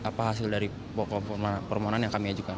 apa hasil dari permohonan yang kami ajukan